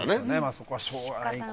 そこはしょうがないこと。